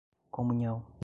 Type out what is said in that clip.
comunhão